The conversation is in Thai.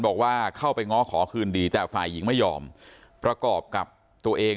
บอกว่าเข้าไปง้อขอคืนดีแต่ฝ่ายหญิงไม่ยอมประกอบกับตัวเอง